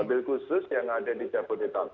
mobil khusus yang ada di jabodetabek